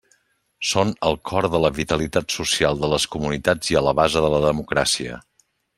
Són al cor de la vitalitat social de les comunitats i a la base de la democràcia.